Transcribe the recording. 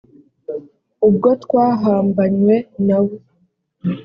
ubwo twahambanywe na we